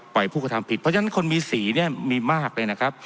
ผู้กระทำผิดเพราะฉะนั้นคนมีสีเนี่ยมีมากเลยนะครับ